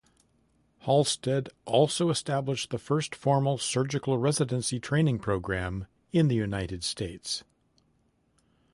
Halsted also established the first formal surgical residency training program in the United States.